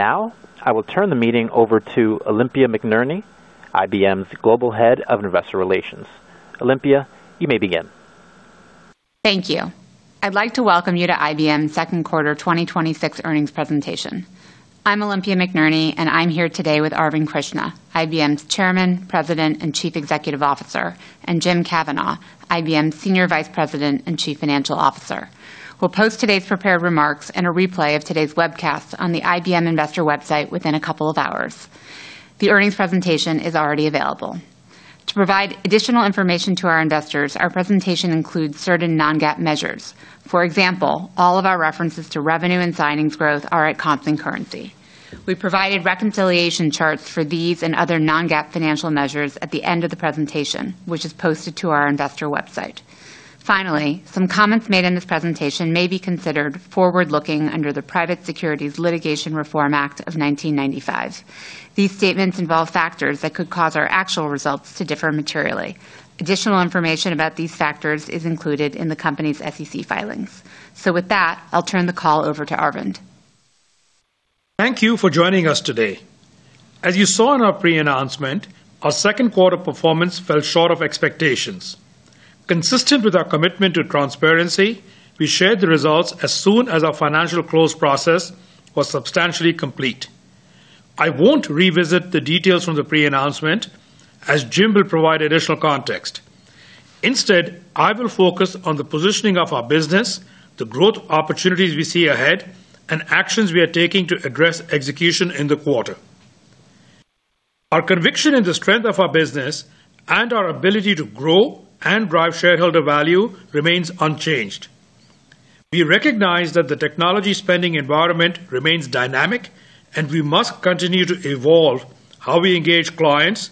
I will turn the meeting over to Olympia McNerney, IBM's Global Head of Investor Relations. Olympia, you may begin. Thank you. I'd like to welcome you to IBM's second quarter 2026 earnings presentation. I'm Olympia McNerney, and I'm here today with Arvind Krishna, IBM's Chairman, President, and Chief Executive Officer, and Jim Kavanaugh, IBM's Senior Vice President and Chief Financial Officer. We'll post today's prepared remarks and a replay of today's webcast on the IBM investor website within a couple of hours. The earnings presentation is already available. To provide additional information to our investors, our presentation includes certain non-GAAP measures. For example, all of our references to revenue and signings growth are at constant currency. We've provided reconciliation charts for these and other non-GAAP financial measures at the end of the presentation, which is posted to our IBM investor website. Finally, some comments made in this presentation may be considered forward-looking under the Private Securities Litigation Reform Act of 1995. These statements involve factors that could cause our actual results to differ materially. Additional information about these factors is included in the company's SEC filings. With that, I'll turn the call over to Arvind. Thank you for joining us today. As you saw in our pre-announcement, our second quarter performance fell short of expectations. Consistent with our commitment to transparency, we shared the results as soon as our financial close process was substantially complete. I won't revisit the details from the pre-announcement, as Jim will provide additional context. Instead, I will focus on the positioning of our business, the growth opportunities we see ahead, and actions we are taking to address execution in the quarter. Our conviction in the strength of our business and our ability to grow and drive shareholder value remains unchanged. We recognize that the technology spending environment remains dynamic, and we must continue to evolve how we engage clients,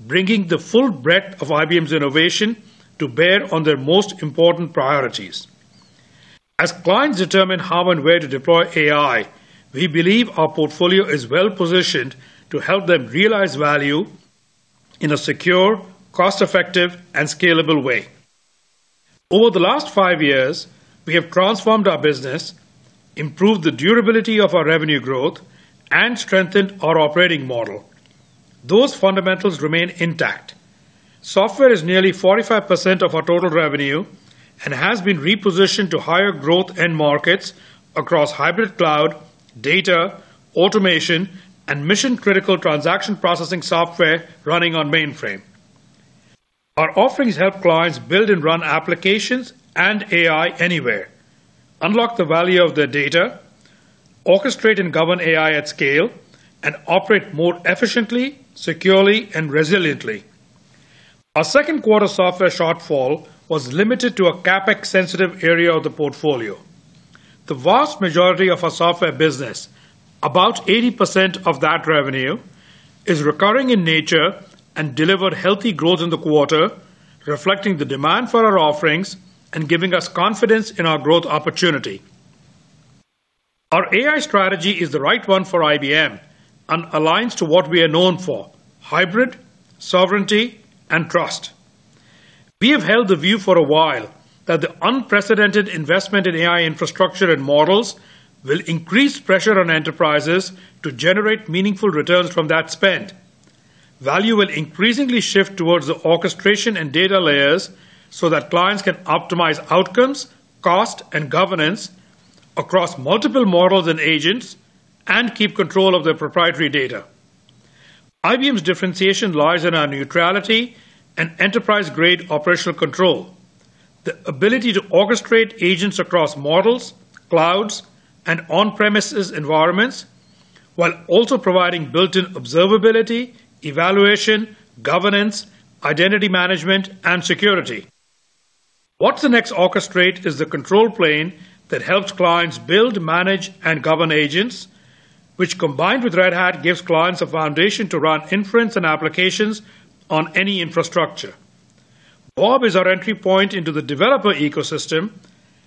bringing the full breadth of IBM's innovation to bear on their most important priorities. As clients determine how and where to deploy AI, we believe our portfolio is well-positioned to help them realize value in a secure, cost-effective, and scalable way. Over the last five years, we have transformed our business, improved the durability of our revenue growth, and strengthened our operating model. Those fundamentals remain intact. Software is nearly 45% of our total revenue and has been repositioned to higher-growth end markets across hybrid cloud, data, automation, and mission-critical transaction processing software running on mainframe. Our offerings help clients build and run applications and AI anywhere, unlock the value of their data, orchestrate and govern AI at scale, and operate more efficiently, securely, and resiliently. Our second quarter software shortfall was limited to a CapEx-sensitive area of the portfolio. The vast majority of our software business, about 80% of that revenue, is recurring in nature and delivered healthy growth in the quarter, reflecting the demand for our offerings and giving us confidence in our growth opportunity. Our AI strategy is the right one for IBM and aligns to what we are known for: hybrid, sovereignty, and trust. We have held the view for a while that the unprecedented investment in AI infrastructure and models will increase pressure on enterprises to generate meaningful returns from that spend. Value will increasingly shift towards the orchestration and data layers so that clients can optimize outcomes, cost, and governance across multiple models and agents and keep control of their proprietary data. IBM's differentiation lies in our neutrality and enterprise-grade operational control, the ability to orchestrate agents across models, clouds, and on-premises environments, while also providing built-in observability, evaluation, governance, identity management, and security. Watsonx Orchestrate is the control plane that helps clients build, manage, and govern agents, which, combined with Red Hat, gives clients a foundation to run inference and applications on any infrastructure. Bob is our entry point into the developer ecosystem,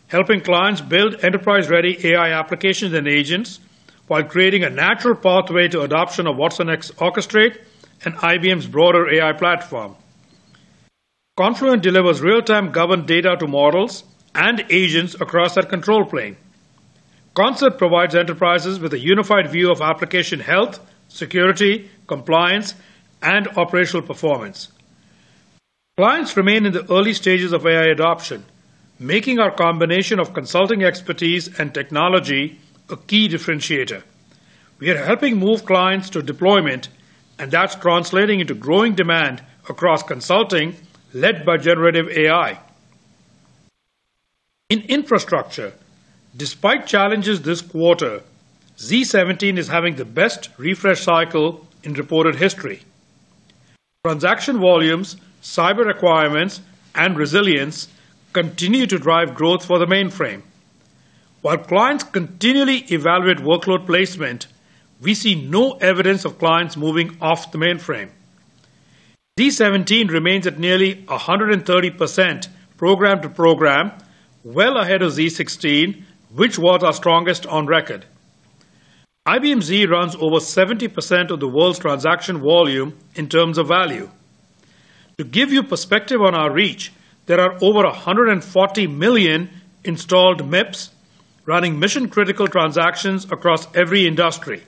helping clients build enterprise-ready AI applications and agents while creating a natural pathway to adoption of watsonx Orchestrate and IBM's broader AI platform. Confluent delivers real-time governed data to models and agents across our control plane. Concert provides enterprises with a unified view of application health, security, compliance, and operational performance. Clients remain in the early stages of AI adoption, making our combination of consulting expertise and technology a key differentiator. We are helping move clients to deployment, and that's translating into growing demand across consulting, led by generative AI. In infrastructure, despite challenges this quarter, z17 is having the best refresh cycle in reported history. Transaction volumes, cyber requirements, and resilience continue to drive growth for the mainframe. While clients continually evaluate workload placement, we see no evidence of clients moving off the mainframe. z17 remains at nearly 130% program to program, well ahead of z16, which was our strongest on record. IBM Z runs over 70% of the world's transaction volume in terms of value. To give you perspective on our reach, there are over 140 million installed MIPS running mission-critical transactions across every industry.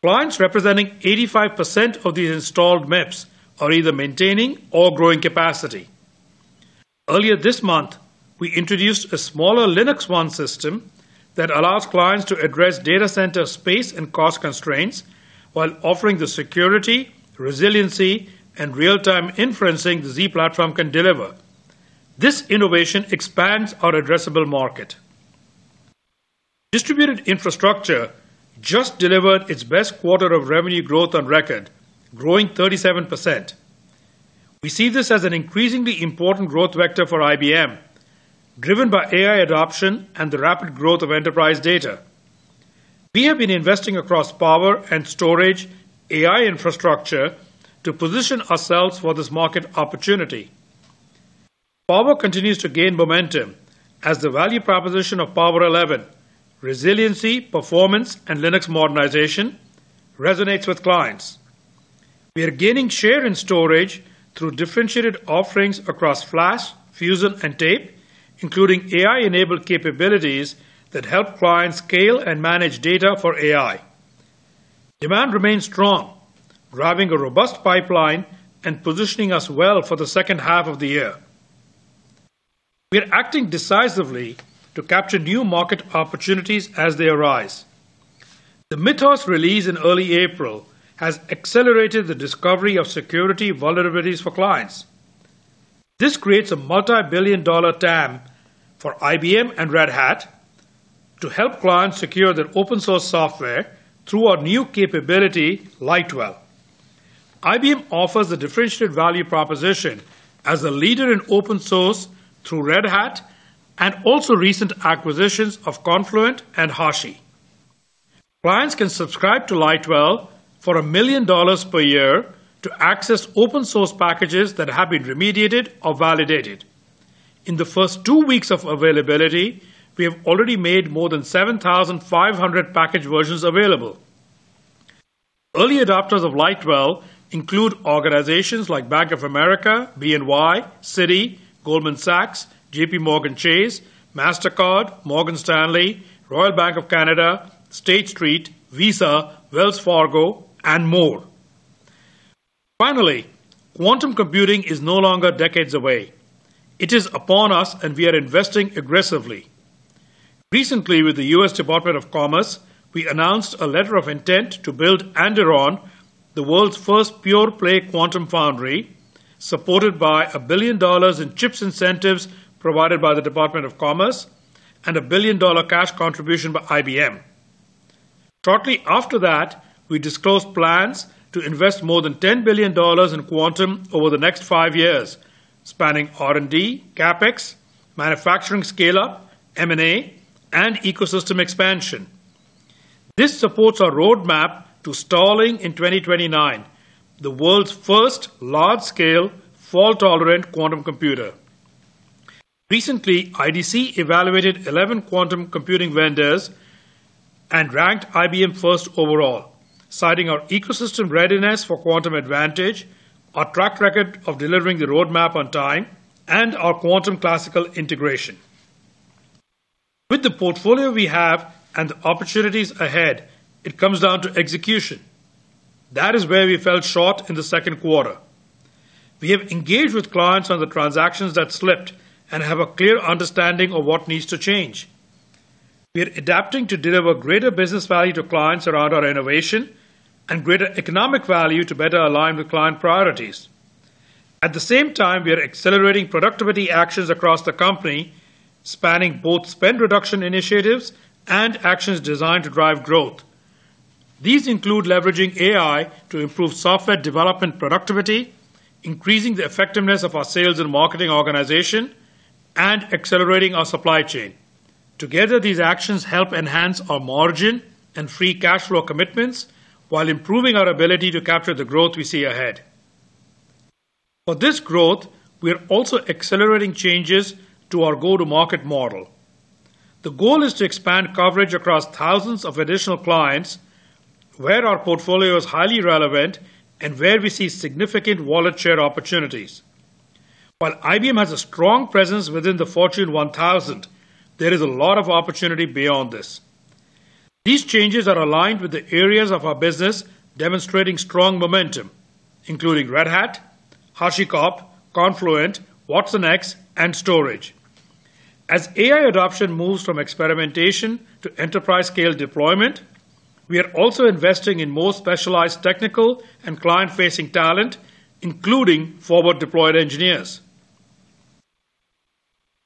Clients representing 85% of these installed MIPS are either maintaining or growing capacity. Earlier this month, we introduced a smaller LinuxONE system that allows clients to address data center space and cost constraints while offering the security, resiliency, real-time inferencing the Z platform can deliver. This innovation expands our addressable market. Distributed infrastructure just delivered its best quarter of revenue growth on record, growing 37%. We see this as an increasingly important growth vector for IBM, driven by AI adoption and the rapid growth of enterprise data. We have been investing across Power and Storage, AI infrastructure to position ourselves for this market opportunity. Power continues to gain momentum as the value proposition of Power11, resiliency, performance, and Linux modernization resonates with clients. We are gaining share in Storage through differentiated offerings across flash, fusion, and tape, including AI-enabled capabilities that help clients scale and manage data for AI. Demand remains strong, driving a robust pipeline and positioning us well for the second half of the year. We are acting decisively to capture new market opportunities as they arise. The Mythos release in early April has accelerated the discovery of security vulnerabilities for clients. This creates a multi-billion-dollar TAM for IBM and Red Hat to help clients secure their open source software through our new capability, Lightwell. IBM offers a differentiated value proposition as a leader in open source through Red Hat and also recent acquisitions of Confluent and Hashi. Clients can subscribe to Lightwell for $1 million per year to access open source packages that have been remediated or validated. In the first two weeks of availability, we have already made more than 7,500 package versions available. Early adopters of Lightwell include organizations like Bank of America, BNY, Citi, Goldman Sachs, JPMorgan Chase, Mastercard, Morgan Stanley, Royal Bank of Canada, State Street, Visa, Wells Fargo, and more. Finally, quantum computing is no longer decades away. It is upon us, we are investing aggressively. Recently with the U.S. Department of Commerce, we announced a letter of intent to build Anderon, the world's first pure-play quantum foundry, supported by $1 billion in chips incentives provided by the Department of Commerce and a $1 billion-dollar cash contribution by IBM. Shortly after that, we disclosed plans to invest more than $10 billion in quantum over the next five years, spanning R&D, CapEx, manufacturing scale-up, M&A, and ecosystem expansion. This supports our roadmap to installing in 2029, the world's first large-scale, fault-tolerant quantum computer. Recently, IDC evaluated 11 quantum computing vendors and ranked IBM first overall, citing our ecosystem readiness for quantum advantage, our track record of delivering the roadmap on time, and our quantum classical integration. With the portfolio we have and the opportunities ahead, it comes down to execution. That is where we fell short in the second quarter. We have engaged with clients on the transactions that slipped and have a clear understanding of what needs to change. We are adapting to deliver greater business value to clients around our innovation and greater economic value to better align with client priorities. At the same time, we are accelerating productivity actions across the company, spanning both spend reduction initiatives and actions designed to drive growth. These include leveraging AI to improve software development productivity, increasing the effectiveness of our sales and marketing organization, and accelerating our supply chain. Together, these actions help enhance our margin and free cash flow commitments while improving our ability to capture the growth we see ahead. For this growth, we are also accelerating changes to our go-to-market model. The goal is to expand coverage across thousands of additional clients where our portfolio is highly relevant and where we see significant wallet share opportunities. While IBM has a strong presence within the Fortune 1000, there is a lot of opportunity beyond this. These changes are aligned with the areas of our business demonstrating strong momentum, including Red Hat, HashiCorp, Confluent, watsonx, and Storage. As AI adoption moves from experimentation to enterprise-scale deployment, we are also investing in more specialized technical and client-facing talent, including forward-deployed engineers.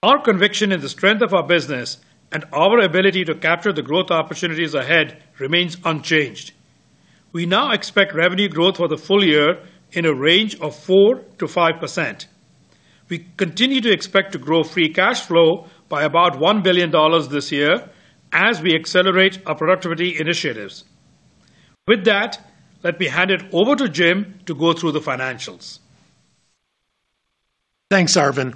Our conviction in the strength of our business and our ability to capture the growth opportunities ahead remains unchanged. We now expect revenue growth for the full year in a range of 4%-5%. We continue to expect to grow free cash flow by about $1 billion this year as we accelerate our productivity initiatives. With that, let me hand it over to Jim to go through the financials. Thanks, Arvind.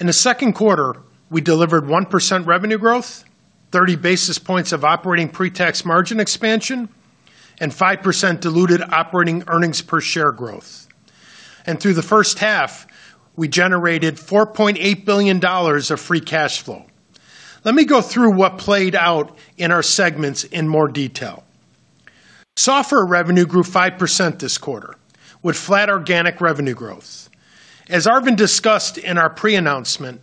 In the second quarter, we delivered 1% revenue growth, 30 basis points of operating pre-tax margin expansion, and 5% diluted operating earnings per share growth. Through the first half, we generated $4.8 billion of free cash flow. Let me go through what played out in our segments in more detail. Software revenue grew 5% this quarter, with flat organic revenue growth. As Arvind discussed in our pre-announcement,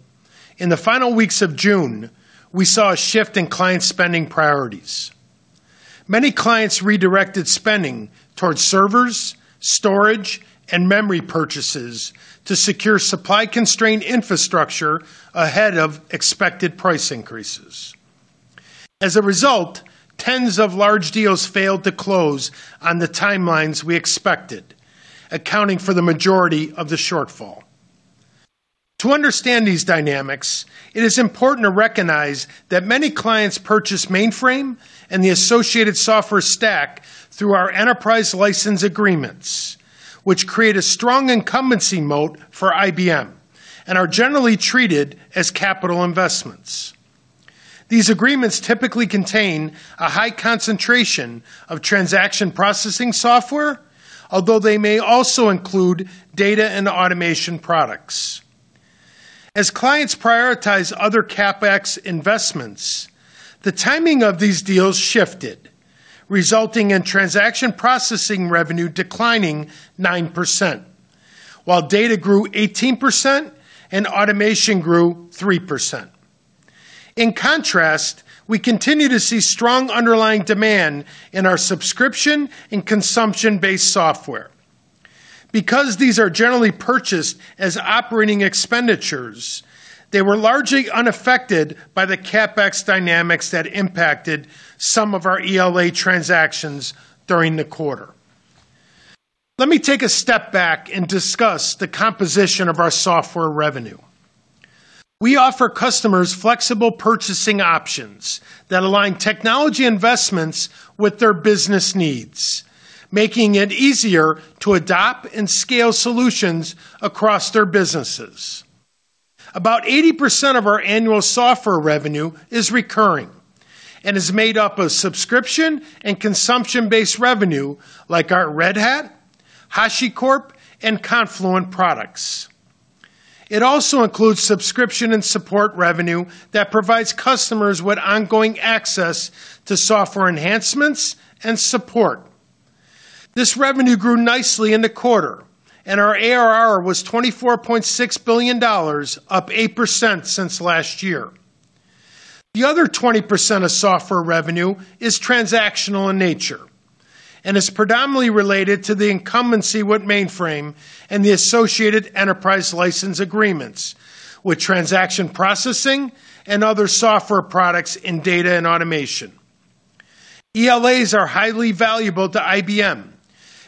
in the final weeks of June, we saw a shift in client spending priorities. Many clients redirected spending towards servers, storage, and memory purchases to secure supply-constrained infrastructure ahead of expected price increases. As a result, tens of large deals failed to close on the timelines we expected, accounting for the majority of the shortfall. To understand these dynamics, it is important to recognize that many clients purchase mainframe and the associated software stack through our enterprise license agreements, which create a strong incumbency moat for IBM and are generally treated as capital investments. These agreements typically contain a high concentration of transaction processing software, although they may also include data and automation products. As clients prioritize other CapEx investments, the timing of these deals shifted, resulting in transaction processing revenue declining 9%, while data grew 18% and automation grew 3%. In contrast, we continue to see strong underlying demand in our subscription and consumption-based software. Because these are generally purchased as operating expenditures, they were largely unaffected by the CapEx dynamics that impacted some of our ELA transactions during the quarter. Let me take a step back and discuss the composition of our software revenue. We offer customers flexible purchasing options that align technology investments with their business needs, making it easier to adopt and scale solutions across their businesses. About 80% of our annual software revenue is recurring and is made up of subscription and consumption-based revenue like our Red Hat, HashiCorp, and Confluent products. It also includes subscription and support revenue that provides customers with ongoing access to software enhancements and support. This revenue grew nicely in the quarter, and our ARR was $24.6 billion, up 8% since last year. The other 20% of software revenue is transactional in nature and is predominantly related to the incumbency with mainframe and the associated enterprise license agreements with transaction processing and other software products in data and automation. ELAs are highly valuable to IBM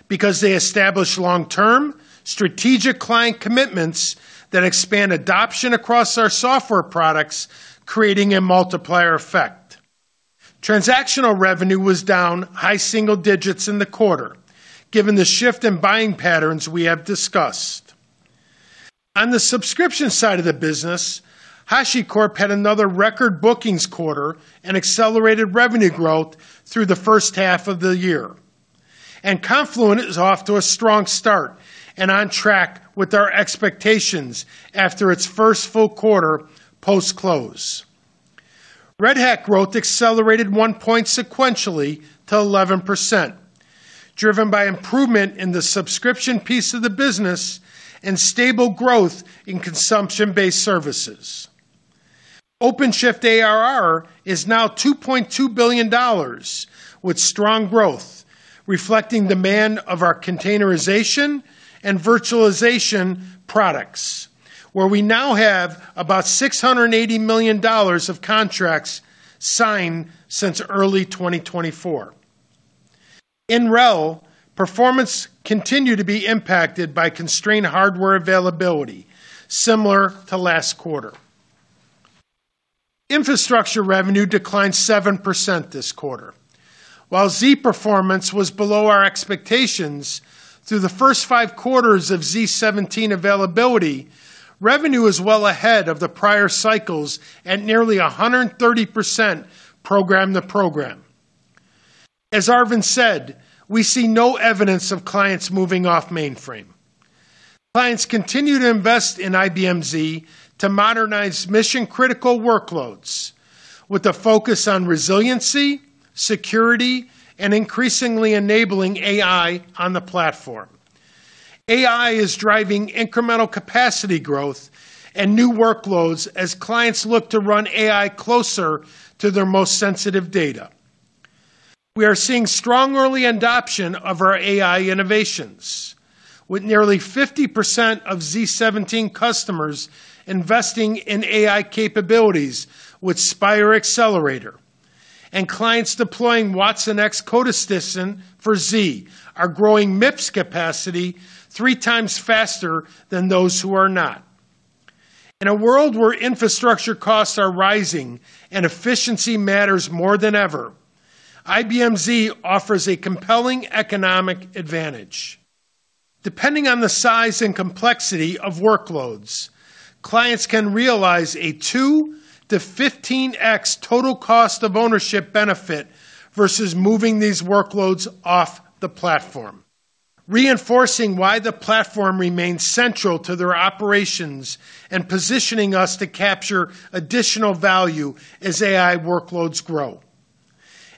because they establish long-term, strategic client commitments that expand adoption across our software products, creating a multiplier effect. Transactional revenue was down high single digits in the quarter, given the shift in buying patterns we have discussed. HashiCorp had another record bookings quarter and accelerated revenue growth through the first half of the year. Confluent is off to a strong start and on track with our expectations after its first full quarter post-close. Red Hat growth accelerated one point sequentially to 11%, driven by improvement in the subscription piece of the business and stable growth in consumption-based services. OpenShift ARR is now $2.2 billion, with strong growth reflecting demand of our containerization and virtualization products, where we now have about $680 million of contracts signed since early 2024. In RHEL, performance continued to be impacted by constrained hardware availability, similar to last quarter. Infrastructure revenue declined 7% this quarter. While Z performance was below our expectations through the first five quarters of z17 availability, revenue is well ahead of the prior cycles at nearly 130% program to program. As Arvind said, we see no evidence of clients moving off mainframe. Clients continue to invest in IBM Z to modernize mission-critical workloads with a focus on resiliency, security, and increasingly enabling AI on the platform. AI is driving incremental capacity growth and new workloads as clients look to run AI closer to their most sensitive data. We are seeing strong early adoption of our AI innovations, with nearly 50% of z17 customers investing in AI capabilities with Spyre Accelerator, and clients deploying watsonx Code Assistant for Z are growing MIPS capacity three times faster than those who are not. In a world where infrastructure costs are rising and efficiency matters more than ever, IBM Z offers a compelling economic advantage. Depending on the size and complexity of workloads, clients can realize a 2 to 15x total cost of ownership benefit versus moving these workloads off the platform, reinforcing why the platform remains central to their operations and positioning us to capture additional value as AI workloads grow.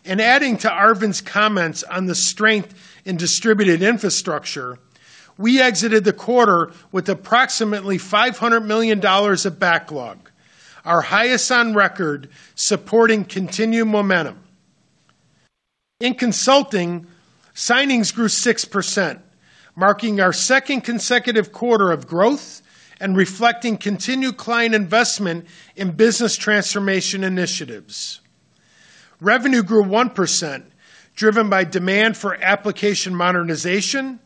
Adding to Arvind's comments on the strength in Distributed Infrastructure, we exited the quarter with approximately $500 million of backlog, our highest on record, supporting continued momentum. In Consulting, signings grew 6%, marking our second consecutive quarter of growth and reflecting continued client investment in business transformation initiatives. Revenue grew 1%, driven by demand for application modernization,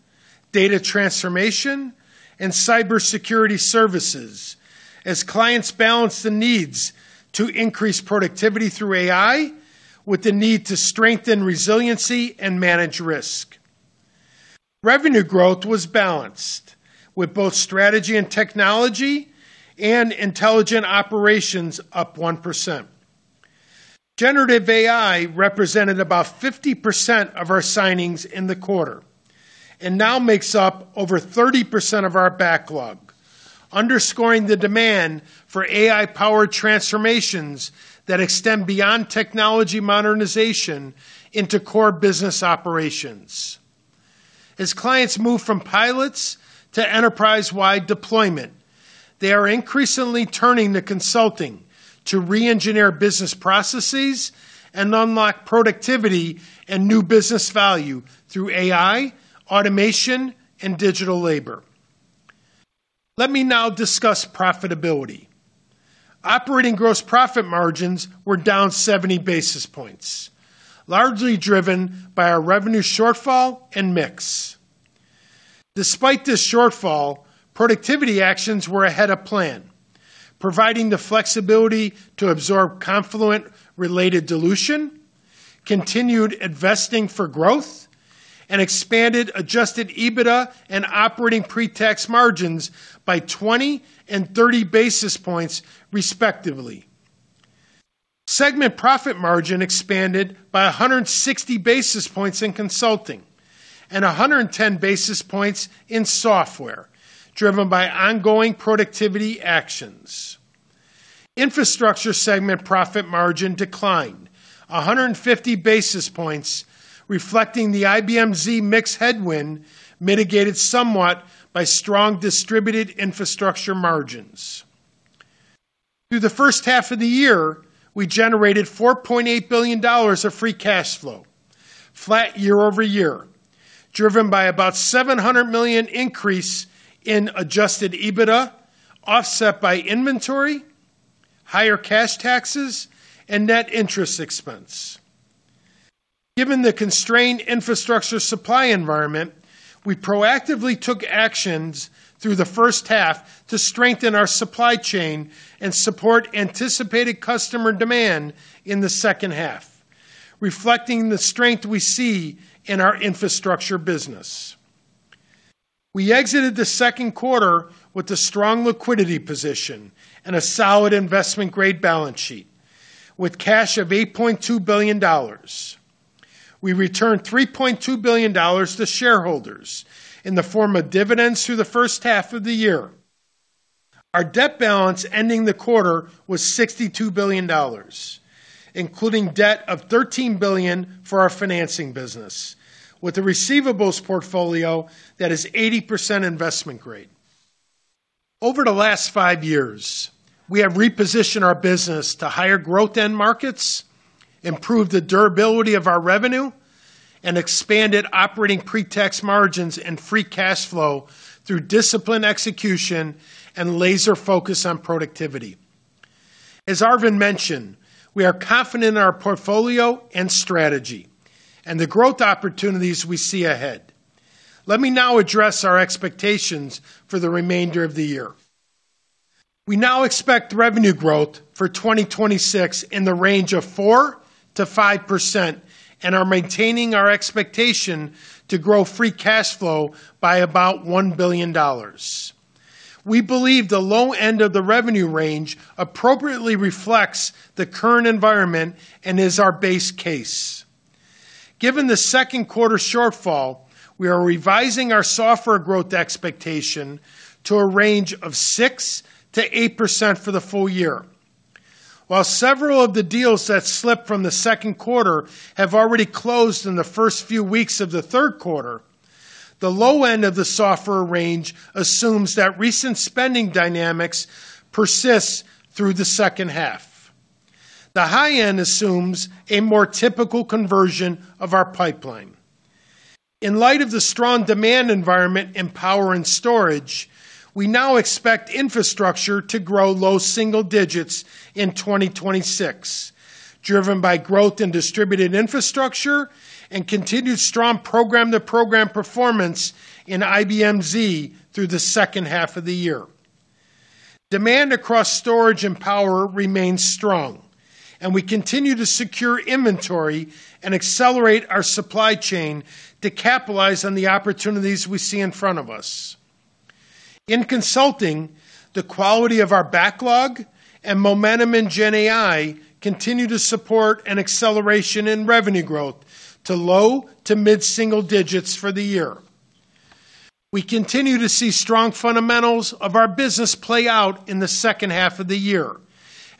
data transformation, and cybersecurity services as clients balance the needs to increase productivity through AI with the need to strengthen resiliency and manage risk. Revenue growth was balanced, with both strategy and technology and intelligent operations up 1%. Generative AI represented about 50% of our signings in the quarter and now makes up over 30% of our backlog, underscoring the demand for AI-powered transformations that extend beyond technology modernization into core business operations. As clients move from pilots to enterprise-wide deployment, they are increasingly turning to IBM Consulting to re-engineer business processes and unlock productivity and new business value through AI, automation, and digital labor. Let me now discuss profitability. Operating gross profit margins were down 70 basis points, largely driven by our revenue shortfall and mix. Despite this shortfall, productivity actions were ahead of plan, providing the flexibility to absorb Confluent-related dilution, continued investing for growth, and expanded adjusted EBITDA and operating pre-tax margins by 20 and 30 basis points, respectively. Segment profit margin expanded by 160 basis points in IBM Consulting and 110 basis points in IBM Software, driven by ongoing productivity actions. Infrastructure segment profit margin declined 150 basis points, reflecting the IBM Z mix headwind mitigated somewhat by strong Distributed Infrastructure margins. Through the first half of the year, we generated $4.8 billion of free cash flow, flat year-over-year, driven by about $700 million increase in adjusted EBITDA, offset by inventory, higher cash taxes, and net interest expense. Given the constrained infrastructure supply environment, we proactively took actions through the first half to strengthen our supply chain and support anticipated customer demand in the second half, reflecting the strength we see in our infrastructure business. We exited the second quarter with a strong liquidity position and a solid investment-grade balance sheet. With cash of $8.2 billion, we returned $3.2 billion to shareholders in the form of dividends through the first half of the year. Our debt balance ending the quarter was $62 billion, including debt of $13 billion for our financing business, with a receivables portfolio that is 80% investment grade. Over the last five years, we have repositioned our business to higher growth end markets, improved the durability of our revenue, and expanded operating pre-tax margins and free cash flow through disciplined execution and laser focus on productivity. As Arvind mentioned, we are confident in our portfolio and strategy and the growth opportunities we see ahead. Let me now address our expectations for the remainder of the year. We now expect revenue growth for 2026 in the range of 4%-5% and are maintaining our expectation to grow free cash flow by about $1 billion. We believe the low end of the revenue range appropriately reflects the current environment and is our base case. Given the second quarter shortfall, we are revising our software growth expectation to a range of 6%-8% for the full year. While several of the deals that slipped from the second quarter have already closed in the first few weeks of the third quarter, the low end of the software range assumes that recent spending dynamics persist through the second half. The high end assumes a more typical conversion of our pipeline. In light of the strong demand environment in Power and Storage, we now expect infrastructure to grow low single digits in 2026, driven by growth in Distributed Infrastructure and continued strong program-to-program performance in IBM Z through the second half of the year. Demand across Storage and Power remains strong, and we continue to secure inventory and accelerate our supply chain to capitalize on the opportunities we see in front of us. In consulting, the quality of our backlog and momentum in GenAI continue to support an acceleration in revenue growth to low to mid-single digits for the year. We continue to see strong fundamentals of our business play out in the second half of the year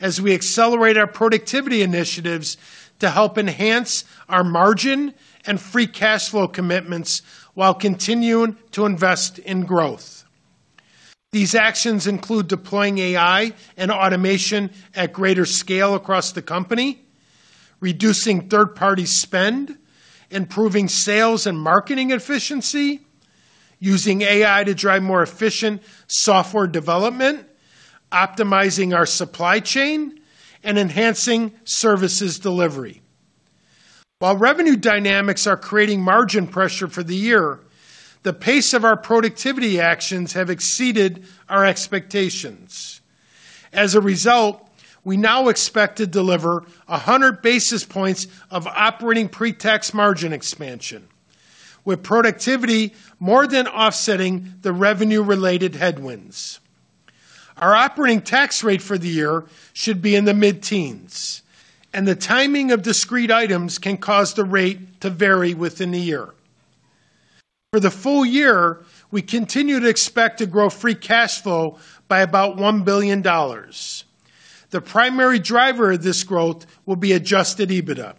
as we accelerate our productivity initiatives to help enhance our margin and free cash flow commitments while continuing to invest in growth. These actions include deploying AI and automation at greater scale across the company, reducing third-party spend, improving sales and marketing efficiency, using AI to drive more efficient software development, optimizing our supply chain, and enhancing services delivery. While revenue dynamics are creating margin pressure for the year, the pace of our productivity actions have exceeded our expectations. As a result, we now expect to deliver 100 basis points of operating pre-tax margin expansion, with productivity more than offsetting the revenue-related headwinds. Our operating tax rate for the year should be in the mid-teens. The timing of discrete items can cause the rate to vary within the year. For the full year, we continue to expect to grow free cash flow by about $1 billion. The primary driver of this growth will be adjusted EBITDA,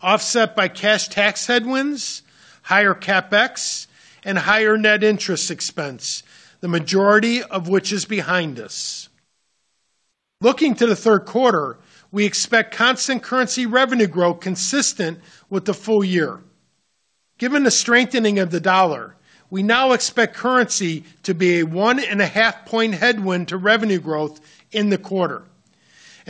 offset by cash tax headwinds, higher CapEx, and higher net interest expense, the majority of which is behind us. Looking to the third quarter, we expect constant currency revenue growth consistent with the full year. Given the strengthening of the dollar, we now expect currency to be a 1.5 point headwind to revenue growth in the quarter.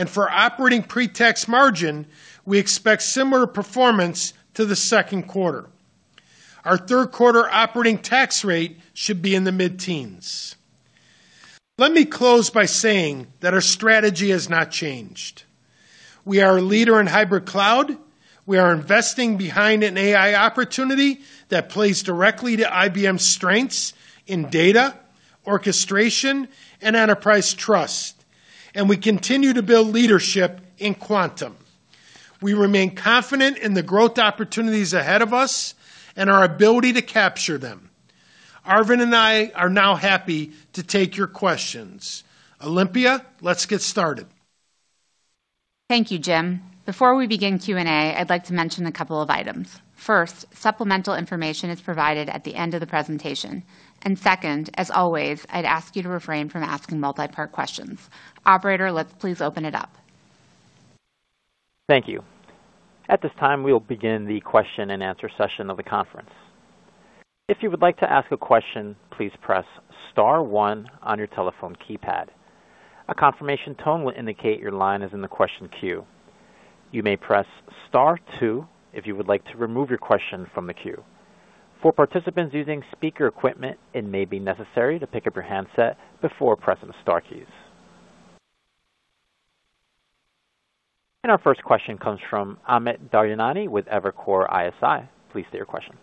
For operating pre-tax margin, we expect similar performance to the second quarter. Our third quarter operating tax rate should be in the mid-teens. Let me close by saying that our strategy has not changed. We are a leader in hybrid cloud. We are investing behind an AI opportunity that plays directly to IBM's strengths in data, orchestration, and enterprise trust. We continue to build leadership in quantum. We remain confident in the growth opportunities ahead of us and our ability to capture them. Arvind and I are now happy to take your questions. Olympia, let's get started. Thank you, Jim. Before we begin Q&A, I'd like to mention a couple of items. First, supplemental information is provided at the end of the presentation. Second, as always, I'd ask you to refrain from asking multi-part questions. Operator, let's please open it up. Thank you. At this time, we will begin the question-and-answer session of the conference. If you would like to ask a question, please press star one on your telephone keypad. A confirmation tone will indicate your line is in the question queue. You may press star two if you would like to remove your question from the queue. For participants using speaker equipment, it may be necessary to pick up your handset before pressing the star keys. Our first question comes from Amit Daryanani with Evercore ISI. Please state your question.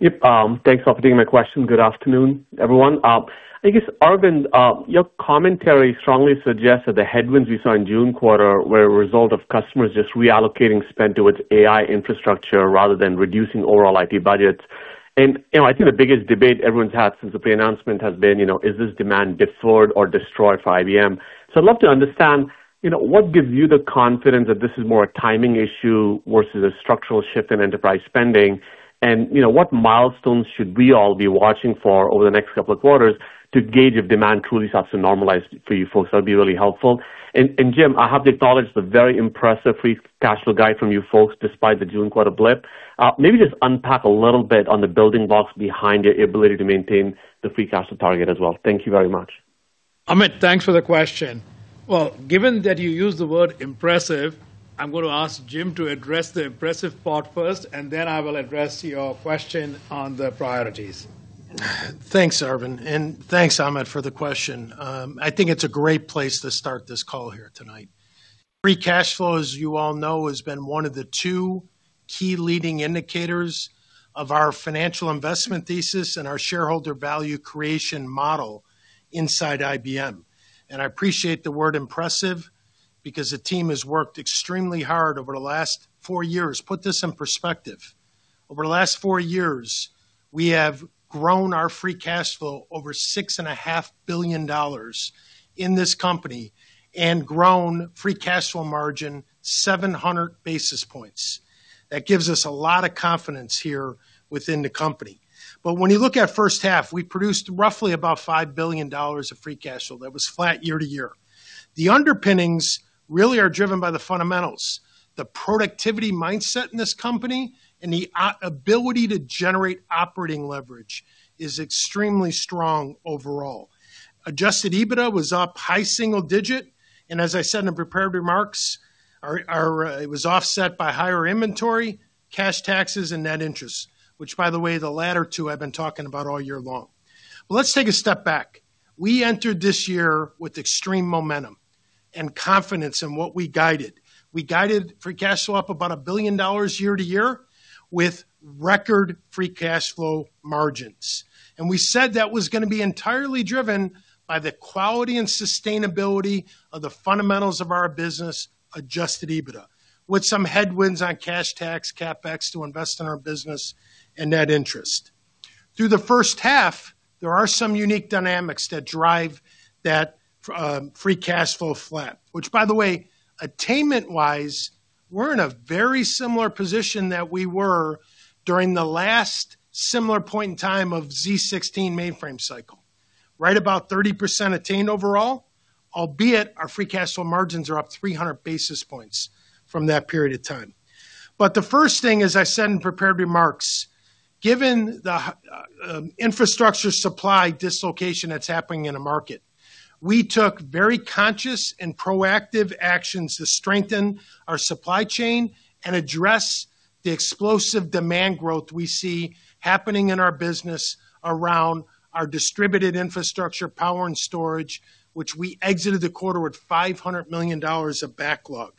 Yep. Thanks for taking my question. Good afternoon, everyone. I guess, Arvind, your commentary strongly suggests that the headwinds we saw in June quarter were a result of customers just reallocating spend towards AI infrastructure rather than reducing overall IT budgets. I think the biggest debate everyone's had since the pre-announcement has been, is this demand deferred or destroyed for IBM? I'd love to understand, what gives you the confidence that this is more a timing issue versus a structural shift in enterprise spending? What milestones should we all be watching for over the next couple of quarters to gauge if demand truly starts to normalize for you folks? That'd be really helpful. Jim, I have to acknowledge the very impressive free cash flow guide from you folks, despite the June quarter blip. Maybe just unpack a little bit on the building blocks behind your ability to maintain the free cash flow target as well. Thank you very much. Amit, thanks for the question. Well, given that you used the word impressive, I'm going to ask Jim to address the impressive part first, and then I will address your question on the priorities. Thanks, Arvind, and thanks, Amit, for the question. I think it's a great place to start this call here tonight. Free cash flow, as you all know, has been one of the two key leading indicators of our financial investment thesis and our shareholder value creation model inside IBM. When you look at first half, we produced roughly about $5 billion of free cash flow. That was flat year-over-year. The underpinnings really are driven by the fundamentals. The productivity mindset in this company and the ability to generate operating leverage is extremely strong overall. Adjusted EBITDA was up high single digit. As I said in the prepared remarks, it was offset by higher inventory, cash taxes, and net interest, which by the way, the latter two I've been talking about all year long. Let's take a step back. We entered this year with extreme momentum and confidence in what we guided. We guided free cash flow up about $1 billion year-to-year with record free cash flow margins. We said that was going to be entirely driven by the quality and sustainability of the fundamentals of our business, adjusted EBITDA, with some headwinds on cash tax CapEx to invest in our business and net interest. Through the first half, there are some unique dynamics that drive that free cash flow flat, which by the way, attainment-wise, we're in a very similar position that we were during the last similar point in time of z16 mainframe cycle. Right about 30% attained overall, albeit our free cash flow margins are up 300 basis points from that period of time. The first thing, as I said in prepared remarks, given the infrastructure supply dislocation that's happening in the market, we took very conscious and proactive actions to strengthen our supply chain and address the explosive demand growth we see happening in our business around our Distributed Infrastructure, Power, and Storage, which we exited the quarter with $500 million of backlog.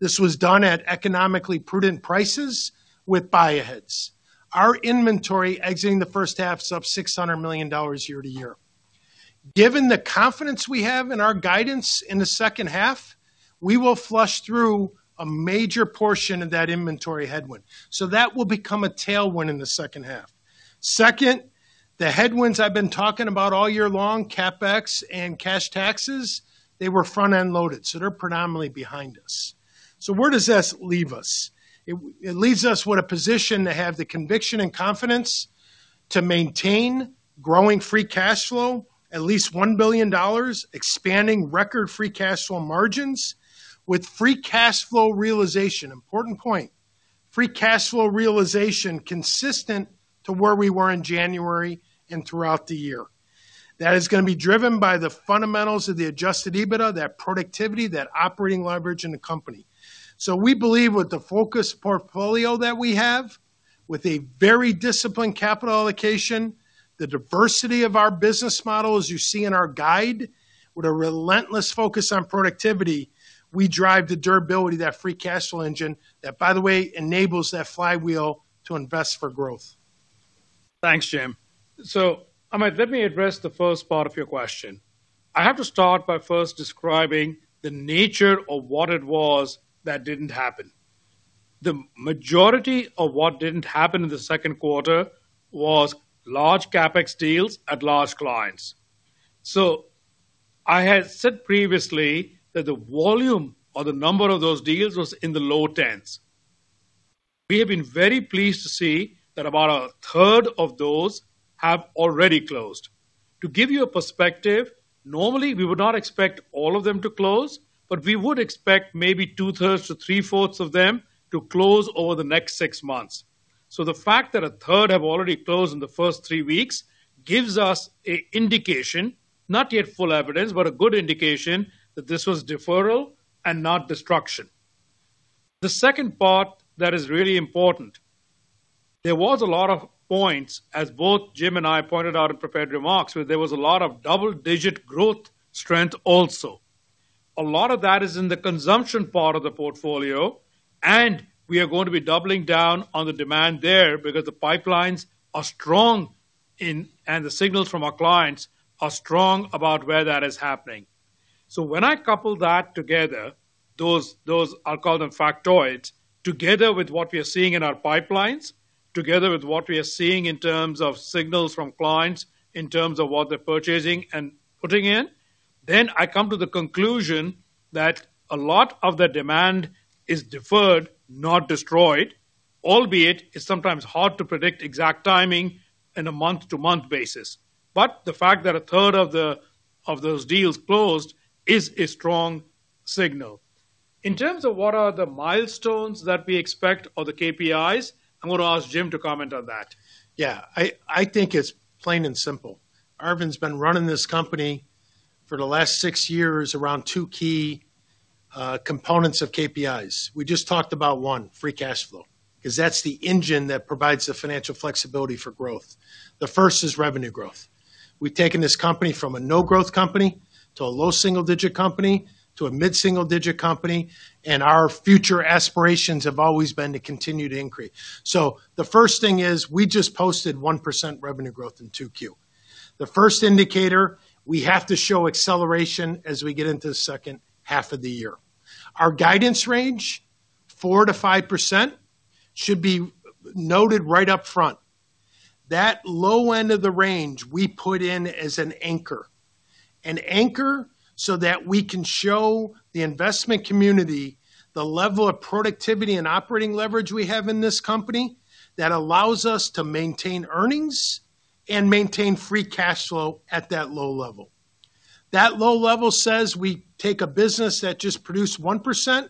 This was done at economically prudent prices with buy-aheads. Our inventory exiting the first half's up $600 million year-to-year. Given the confidence we have in our guidance in the second half, we will flush through a major portion of that inventory headwind. That will become a tailwind in the second half. Second, the headwinds I've been talking about all year long, CapEx and cash taxes, they were front-end loaded, so they're predominantly behind us. Where does this leave us? It leaves us with a position to have the conviction and confidence to maintain growing free cash flow at least $1 billion, expanding record free cash flow margins with free cash flow realization. Important point, free cash flow realization consistent to where we were in January and throughout the year. That is going to be driven by the fundamentals of the adjusted EBITDA, that productivity, that operating leverage in the company. We believe with the focused portfolio that we have, with a very disciplined capital allocation, the diversity of our business model as you see in our guide, with a relentless focus on productivity, we drive the durability of that free cash flow engine, that by the way, enables that flywheel to invest for growth. Thanks, Jim. Amit, let me address the first part of your question. I have to start by first describing the nature of what it was that didn't happen. The majority of what didn't happen in the second quarter was large CapEx deals at large clients. I had said previously that the volume or the number of those deals was in the low tens. We have been very pleased to see that about a third of those have already closed. To give you a perspective, normally, we would not expect all of them to close, but we would expect maybe two-thirds to three-fourths of them to close over the next six months. The fact that a third have already closed in the first three weeks gives us a indication, not yet full evidence, but a good indication, that this was deferral and not destruction. The second part that is really important, there was a lot of points, as both Jim and I pointed out in prepared remarks, where there was a lot of double-digit growth strength also. A lot of that is in the consumption part of the portfolio, and we are going to be doubling down on the demand there because the pipelines are strong, and the signals from our clients are strong about where that is happening. When I couple that together, those, I'll call them factoids, together with what we are seeing in our pipelines, together with what we are seeing in terms of signals from clients, in terms of what they're purchasing and putting in, then I come to the conclusion that a lot of the demand is deferred, not destroyed, albeit it's sometimes hard to predict exact timing in a month-to-month basis. The fact that a third of those deals closed is a strong signal. In terms of what are the milestones that we expect or the KPIs, I'm going to ask Jim to comment on that. Yeah. I think it's plain and simple. Arvind's been running this company for the last six years around two key components of KPIs. We just talked about one, free cash flow, because that's the engine that provides the financial flexibility for growth. The first is revenue growth. We've taken this company from a no-growth company to a low single digit company to a mid-single digit company, and our future aspirations have always been to continue to increase. The first thing is we just posted 1% revenue growth in 2Q. The first indicator, we have to show acceleration as we get into the second half of the year. Our guidance range, 4%-5%, should be noted right up front. That low end of the range we put in as an anchor. An anchor so that we can show the investment community the level of productivity and operating leverage we have in this company that allows us to maintain earnings and maintain free cash flow at that low level. That low level says we take a business that just produced 1%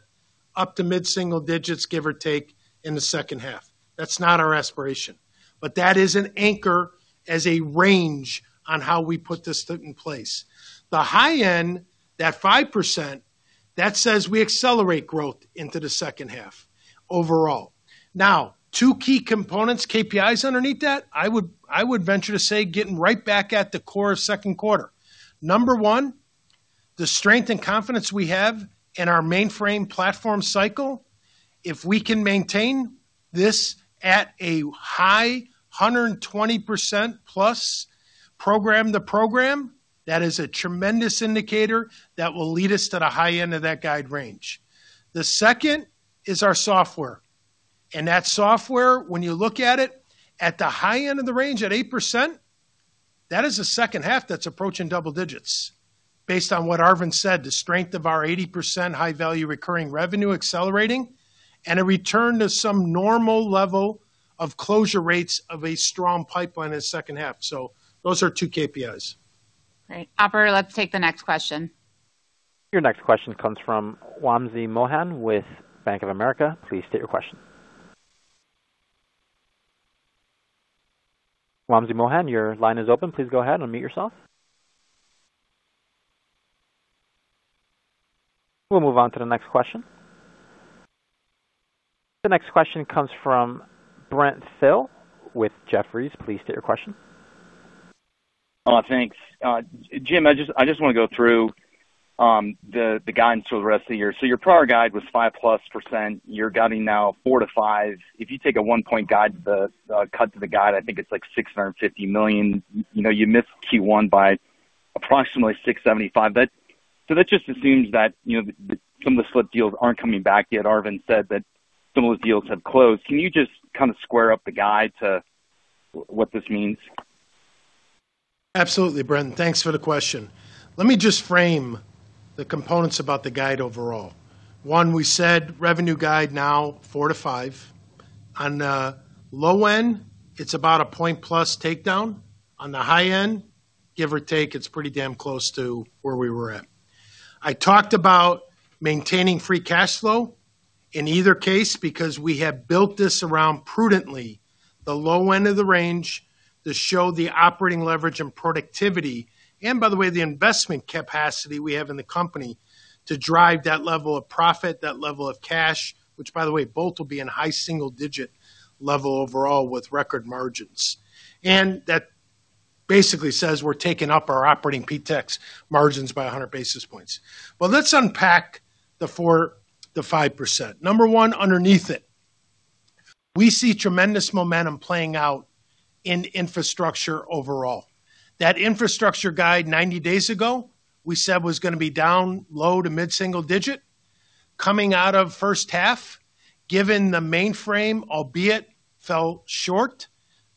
up to mid-single digits, give or take, in the second half. That's not our aspiration, but that is an anchor as a range on how we put this in place. The high end, that 5%. That says we accelerate growth into the second half overall. Two key components, KPIs underneath that, I would venture to say getting right back at the core second quarter. Number one, the strength and confidence we have in our mainframe platform cycle, if we can maintain this at a high 120%+ program to program, that is a tremendous indicator that will lead us to the high end of that guide range. The second is our software. That software, when you look at it, at the high end of the range, at 8%, that is a second half that's approaching double digits. Based on what Arvind said, the strength of our 80% high-value recurring revenue accelerating, and a return to some normal level of closure rates of a strong pipeline in the second half. Those are two KPIs. Great. Operator, let's take the next question. Your next question comes from Wamsi Mohan with Bank of America. Please state your question. Wamsi Mohan, your line is open. Please go ahead and unmute yourself. We'll move on to the next question. The next question comes from Brent Thill with Jefferies. Please state your question. Thanks. Jim, I just want to go through the guidance for the rest of the year. Your prior guide was 5%+. You're guiding now 4%-5%. If you take a 1 point cut to the guide, I think it's like $650 million. You missed Q1 by approximately $675 million. That just assumes that some of the slipped deals aren't coming back yet. Arvind said that some of those deals have closed. Can you just kind of square up the guide to what this means? Absolutely, Brent. Thanks for the question. Let me just frame the components about the guide overall. One, we said revenue guide now 4%-5%. On the low end, it's about a 1 point plus takedown. On the high end, give or take, it's pretty damn close to where we were at. I talked about maintaining free cash flow in either case because we have built this around prudently, the low end of the range to show the operating leverage and productivity, and by the way, the investment capacity we have in the company to drive that level of profit, that level of cash, which by the way, both will be in high single digit level overall with record margins. That basically says we're taking up our operating OpEx margins by 100 basis points. Let's unpack the 5%. Number one, underneath it, we see tremendous momentum playing out in infrastructure overall. That infrastructure guide 90 days ago, we said was going to be down low to mid-single digit. Coming out of first half, given the mainframe, albeit fell short,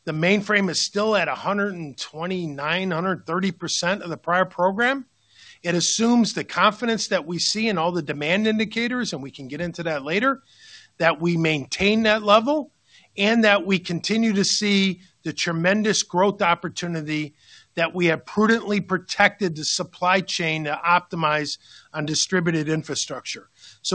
the mainframe is still at 129%, 130% of the prior program. It assumes the confidence that we see in all the demand indicators, and we can get into that later, that we maintain that level, and that we continue to see the tremendous growth opportunity that we have prudently protected the supply chain to optimize on Distributed Infrastructure.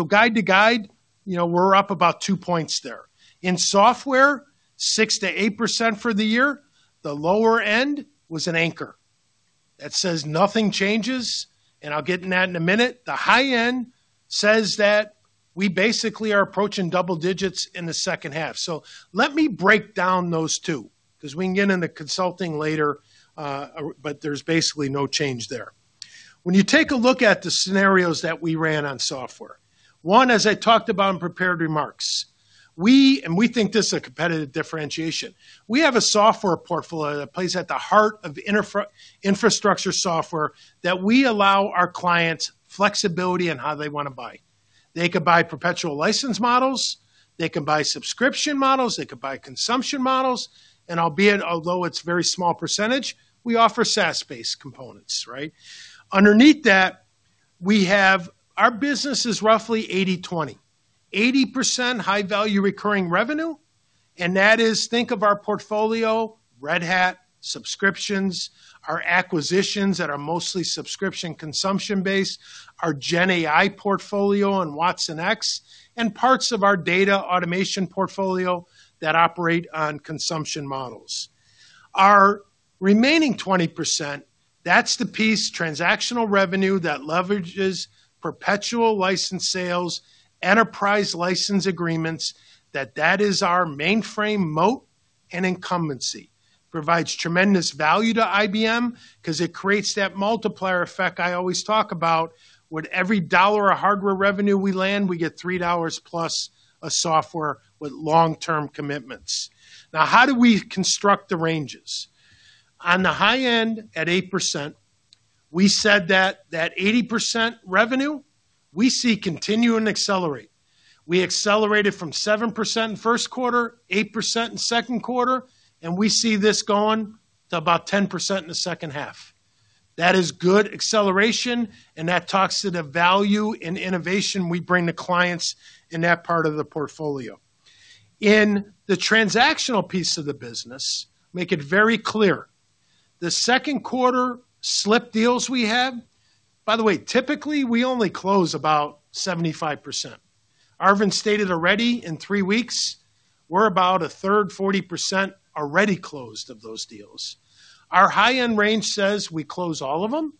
Guide to guide, we're up about 2 points there. In Software, 6%-8% for the year. The lower end was an anchor. That says nothing changes, and I'll get into that in a minute. The high end says that we basically are approaching double digits in the second half. Let me break down those two, because we can get into Consulting later, but there's basically no change there. When you take a look at the scenarios that we ran on Software, one, as I talked about in prepared remarks, and we think this is a competitive differentiation, we have a software portfolio that plays at the heart of infrastructure software that we allow our clients flexibility in how they want to buy. They could buy perpetual license models, they can buy subscription models, they could buy consumption models, and albeit, although it's very small percentage, we offer SaaS-based components, right? Underneath that, our business is roughly 80/20. 80% high-value recurring revenue, and that is, think of our portfolio, Red Hat, subscriptions, our acquisitions that are mostly subscription consumption-based, our GenAI portfolio and watsonx, and parts of our data automation portfolio that operate on consumption models. Our remaining 20%, that is the piece, transactional revenue that leverages perpetual license sales, enterprise license agreements, that is our mainframe moat and incumbency. Provides tremendous value to IBM because it creates that multiplier effect I always talk about with every dollar of hardware revenue we land, we get $3+ of software with long-term commitments. How do we construct the ranges? On the high end, at 8%, we said that 80% revenue, we see continue and accelerate. We accelerated from 7% in first quarter, 8% in second quarter, and we see this going to about 10% in the second half. That is good acceleration, that talks to the value and innovation we bring to clients in that part of the portfolio. In the transactional piece of the business, make it very clear, the second quarter slipped deals we had. Typically, we only close about 75%. Arvind stated already in three weeks, we're about a third, 40% already closed of those deals. Our high-end range says we close all of them.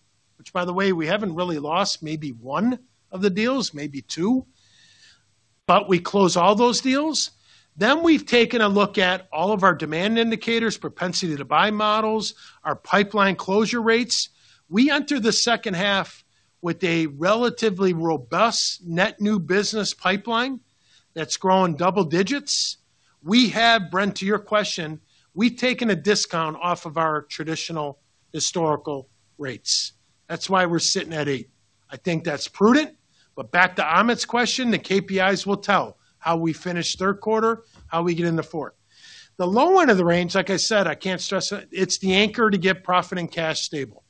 We haven't really lost maybe one of the deals, maybe two. We close all those deals. We've taken a look at all of our demand indicators, propensity to buy models, our pipeline closure rates. We enter the second half with a relatively robust net new business pipeline that's growing double digits. We have, Brent, to your question, we've taken a discount off of our traditional historical rates. That's why we're sitting at 8%. I think that's prudent. Back to Amit's question, the KPIs will tell how we finish third quarter, how we get into fourth. The low end of the range, like I said, I can't stress it's the anchor to get profit and cash stable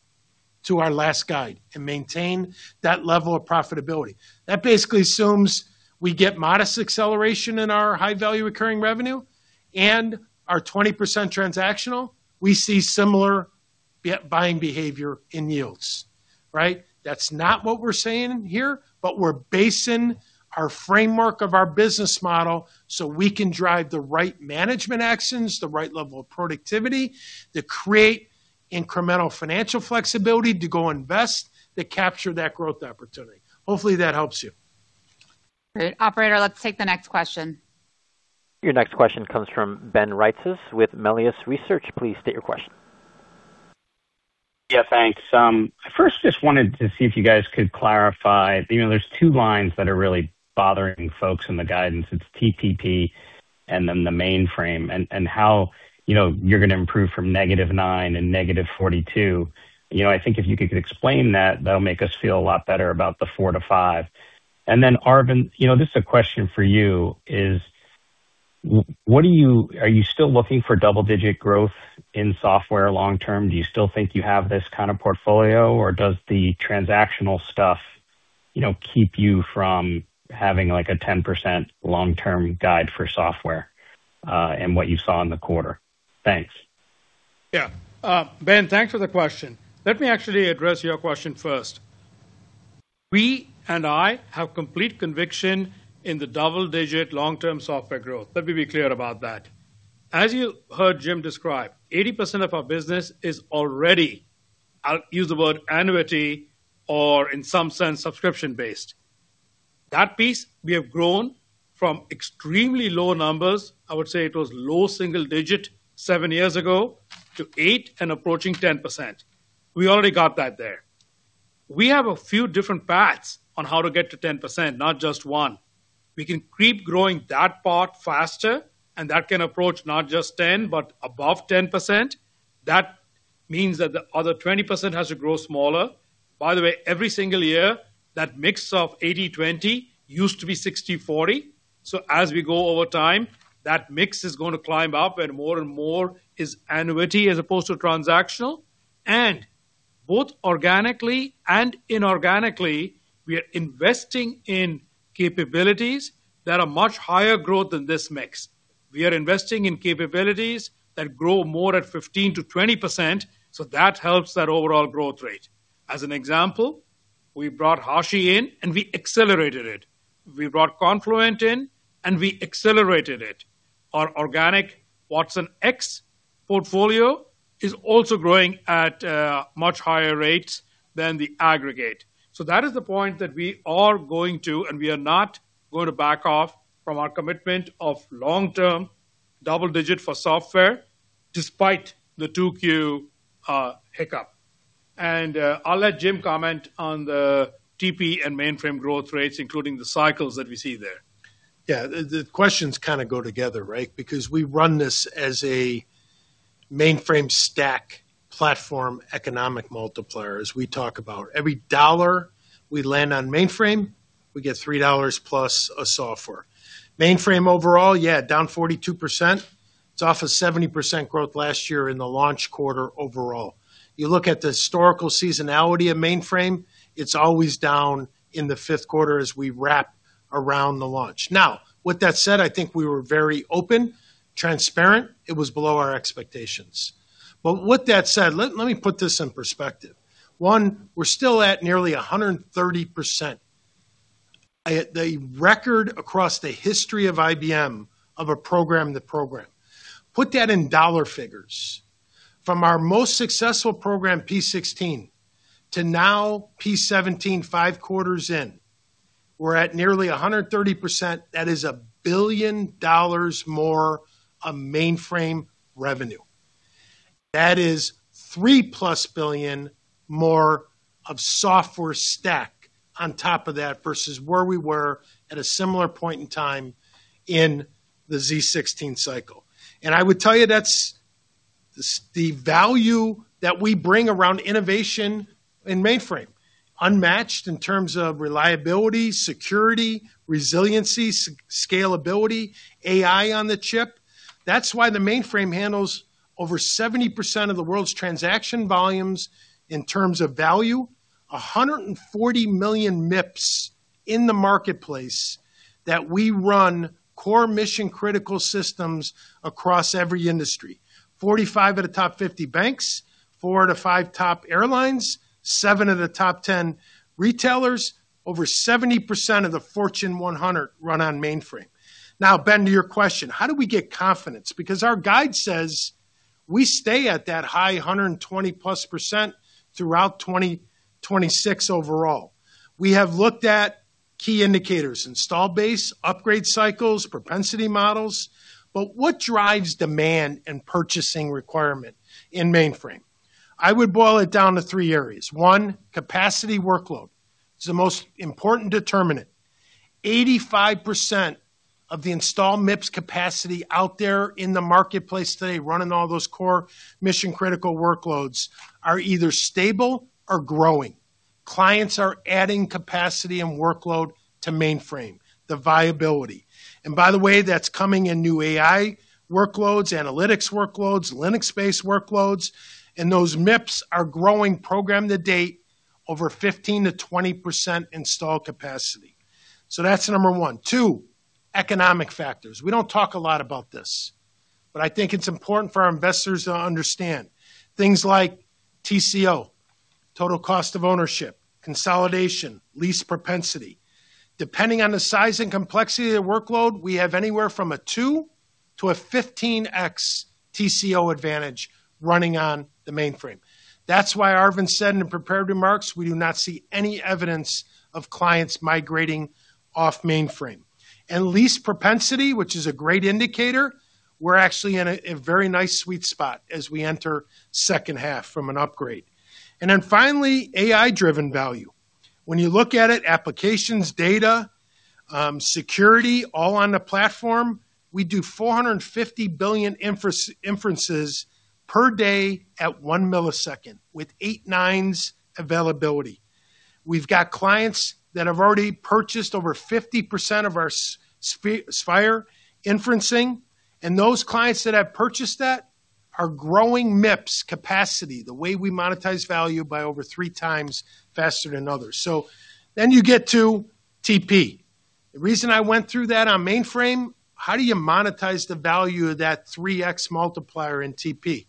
to our last guide and maintain that level of profitability. That basically assumes we get modest acceleration in our high-value recurring revenue and our 20% transactional. We see similar buying behavior in yields, right? That's not what we're saying here, we're basing our framework of our business model so we can drive the right management actions, the right level of productivity to create incremental financial flexibility to go invest, to capture that growth opportunity. Hopefully, that helps you. Great. Operator, let's take the next question. Your next question comes from Ben Reitzes with Melius Research. Please state your question. Yeah, thanks. I first just wanted to see if you guys could clarify, there's two lines that are really bothering folks in the guidance. It's [TPP] and then the mainframe, and how you're going to improve from -9% and -42%. Then Arvind, this is a question for you, is are you still looking for double-digit growth in software long term? Do you still think you have this kind of portfolio, or does the transactional stuff keep you from having a 10% long-term guide for software, in what you saw in the quarter? Thanks. Yeah. Ben, thanks for the question. Let me actually address your question first. We and I have complete conviction in the double-digit long-term software growth. Let me be clear about that. As you heard Jim describe, 80% of our business is already, I'll use the word annuity, or in some sense, subscription-based. That piece we have grown from extremely low numbers, I would say it was low single digit seven years ago, to eight and approaching 10%. We already got that there. We have a few different paths on how to get to 10%, not just one. We can keep growing that part faster, and that can approach not just 10, but above 10%. That means that the other 20% has to grow smaller. By the way, every single year, that mix of 80/20 used to be 60/40. As we go over time, that mix is going to climb up and more and more is annuity as opposed to transactional. Both organically and inorganically, we are investing in capabilities that are much higher growth than this mix. We are investing in capabilities that grow more at 15%-20%, so that helps that overall growth rate. As an example, we brought Hashi in and we accelerated it. We brought Confluent in and we accelerated it. Our organic watsonx portfolio is also growing at much higher rates than the aggregate. That is the point that we are not going to back off from our commitment of long-term double digit for software, despite the 2Q hiccup. I'll let Jim comment on the TP and mainframe growth rates, including the cycles that we see there. Yeah. The questions kind of go together, right? We run this as a mainframe stack platform economic multiplier, as we talk about. Every dollar we land on mainframe, we get $3+ of software. Mainframe overall, yeah, down 42%. It is off of 70% growth last year in the launch quarter overall. You look at the historical seasonality of mainframe, it is always down in the 5th quarter as we wrap around the launch. With that said, I think we were very open, transparent. It was below our expectations. With that said, let me put this in perspective. One, we are still at nearly 130%, the record across the history of IBM of a program to program. Put that in dollar figures. From our most successful program, z16, to now z17, five quarters in, we are at nearly 130%. That is $1 billion more of mainframe revenue. That is $3+ billion more of software stack on top of that, versus where we were at a similar point in time in the Z16 cycle. I would tell you, that is the value that we bring around innovation in mainframe. Unmatched in terms of reliability, security, resiliency, scalability, AI on the chip. That is why the mainframe handles over 70% of the world's transaction volumes in terms of value, 140 million MIPS in the marketplace that we run core mission-critical systems across every industry. 45 out of the top 50 banks, four to five top airlines, seven of the top 10 retailers, over 70% of the Fortune 100 run on mainframe. Ben, to your question, how do we get confidence? Our guide says we stay at that high 120+% throughout 2026 overall. We have looked at key indicators, install base, upgrade cycles, propensity models. What drives demand and purchasing requirement in mainframe? I would boil it down to three areas. One, capacity workload is the most important determinant. 85% of the install MIPS capacity out there in the marketplace today running all those core mission-critical workloads are either stable or growing. Clients are adding capacity and workload to mainframe, the viability. By the way, that is coming in new AI workloads, analytics workloads, Linux-based workloads, and those MIPS are growing program to date over 15%-20% install capacity. That is number 1. Two, economic factors. We do not talk a lot about this, but I think it is important for our investors to understand things like TCO, total cost of ownership, consolidation, lease propensity. Depending on the size and complexity of the workload, we have anywhere from a 2 to a 15x TCO advantage running on the mainframe. That is why Arvind said in the prepared remarks, we do not see any evidence of clients migrating off mainframe. Lease propensity, which is a great indicator, we are actually in a very nice sweet spot as we enter second half from an upgrade. Finally, AI-driven value. When you look at it, applications, data, security, all on the platform, we do 450 billion inferences per day at 1 ms with 99.999999% availability. We have got clients that have already purchased over 50% of our Spyre Accelerator, and those clients that have purchased that are growing MIPS capacity, the way we monetize value, by over three times faster than others. You get to TP. The reason I went through that on mainframe, how do you monetize the value of that 3x multiplier in TP?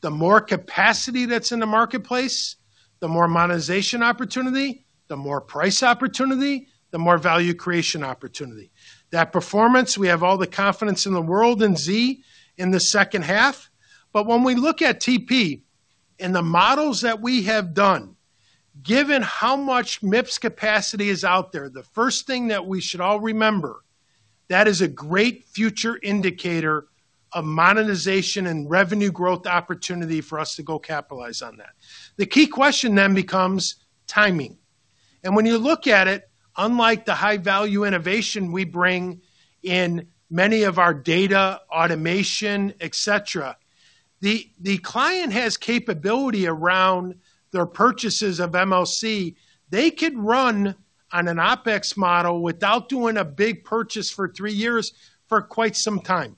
The more capacity that's in the marketplace, the more monetization opportunity, the more price opportunity, the more value creation opportunity. That performance, we have all the confidence in the world in Z in the second half. When we look at TP and the models that we have done, given how much MIPS capacity is out there, the first thing that we should all remember, that is a great future indicator of monetization and revenue growth opportunity for us to go capitalize on that. The key question then becomes timing. When you look at it, unlike the high-value innovation we bring in many of our data automation, et cetera, the client has capability around their purchases of MOC. They could run on an OpEx model without doing a big purchase for three years for quite some time.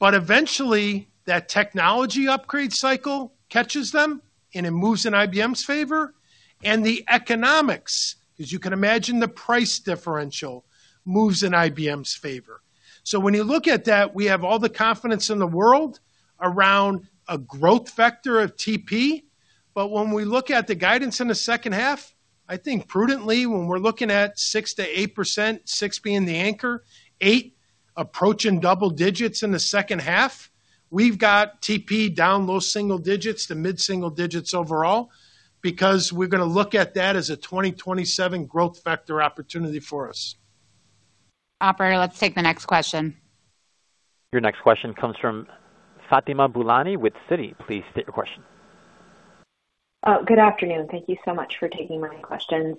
Eventually, that technology upgrade cycle catches them, and it moves in IBM's favor. The economics, as you can imagine, the price differential moves in IBM's favor. When you look at that, we have all the confidence in the world around a growth vector of TP. When we look at the guidance in the second half, I think prudently, when we're looking at 6%-8%, 6% being the anchor, 8% approaching double digits in the second half, we've got TP down low single digits to mid-single digits overall because we're going to look at that as a 2027 growth vector opportunity for us. Operator, let's take the next question. Your next question comes from Fatima Boolani with Citi. Please state your question. Good afternoon. Thank you so much for taking my questions.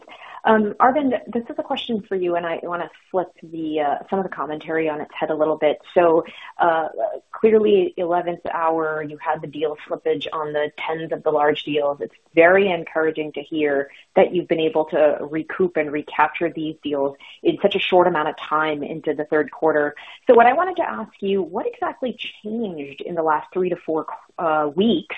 Arvind, this is a question for you, and I want to flip some of the commentary on its head a little bit. Clearly 11th hour, you had the deal slippage on the tens of the large deals. It's very encouraging to hear that you've been able to recoup and recapture these deals in such a short amount of time into the third quarter. What I wanted to ask you, what exactly changed in the last three to four weeks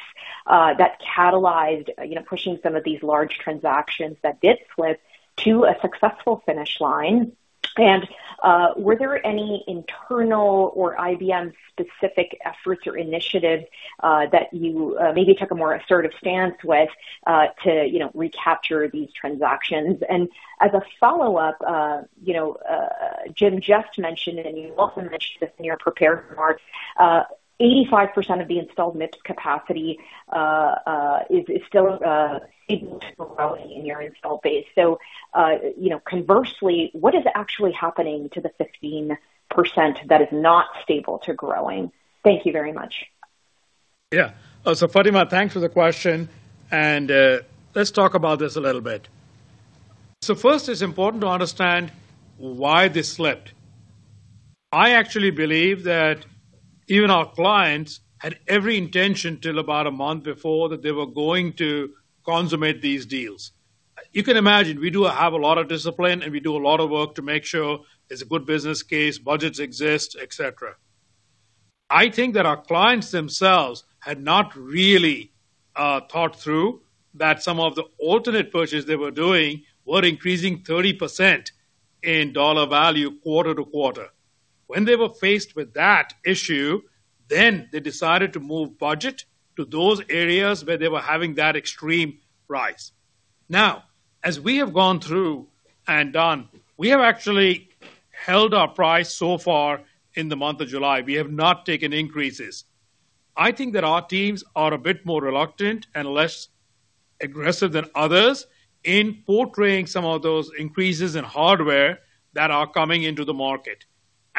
that catalyzed pushing some of these large transactions that did slip to a successful finish line? Were there any internal or IBM-specific efforts or initiatives that you maybe took a more assertive stance with to recapture these transactions? As a follow-up, Jim just mentioned, and you also mentioned this in your prepared remarks, 85% of the installed MIPS capacity is still growing in your install base. Conversely, what is actually happening to the 15% that is not stable to growing? Thank you very much. Fatima, thanks for the question. Let's talk about this a little bit. First, it's important to understand why this slipped. I actually believe that even our clients had every intention till about a month before that they were going to consummate these deals. You can imagine we do have a lot of discipline, and we do a lot of work to make sure there's a good business case, budgets exist, et cetera. I think that our clients themselves had not really thought through that some of the alternate purchase they were doing were increasing 30% in dollar value quarter-to-quarter. When they were faced with that issue, then they decided to move budget to those areas where they were having that extreme rise. Now, as we have gone through and done, we have actually held our price so far in the month of July. We have not taken increases. I think that our teams are a bit more reluctant and less aggressive than others in portraying some of those increases in hardware that are coming into the market.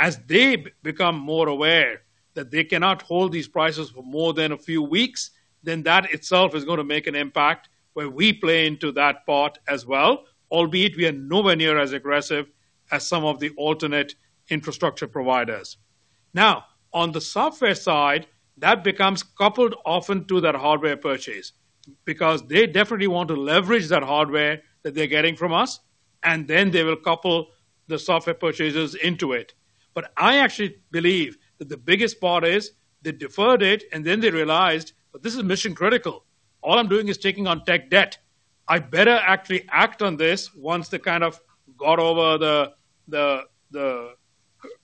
As they become more aware that they cannot hold these prices for more than a few weeks, then that itself is going to make an impact where we play into that part as well, albeit we are nowhere near as aggressive as some of the alternate infrastructure providers. On the software side, that becomes coupled often to that hardware purchase, because they definitely want to leverage that hardware that they're getting from us, and then they will couple the software purchases into it. I actually believe that the biggest part is they deferred it, and then they realized that this is mission critical. All I'm doing is taking on tech debt. I better actually act on this once they kind of got over the